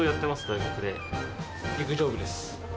陸上部です。